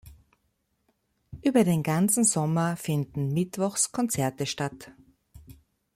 Über den ganzen Sommer finden mittwochs Konzerte statt.